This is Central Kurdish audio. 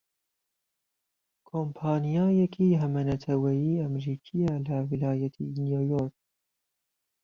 کۆمپانیایەکی هەمەنەتەوەیی ئەمریکییە لە ویلایەتی نیویۆرک